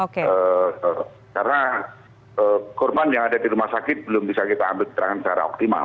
karena korban yang ada di rumah sakit belum bisa kita ambil keterangan secara optimal